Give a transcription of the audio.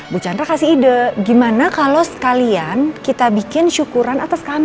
bu chandra kasih ide gimana kalau sekalian kita bikin syukuran atas kami